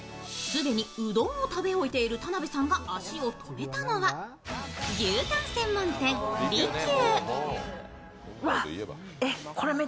既にうどんを食べ終えている田辺さんが足を止めたのは牛たん専門店利久。